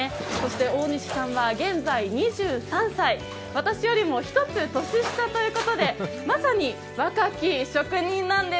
大西さんは現在２３歳、私よりも１つ年下ということでまさに若き職人なんです。